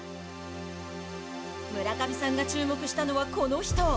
村上さんが注目したのはこの人。